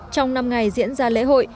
trong năm ngày diễn ra lễ hội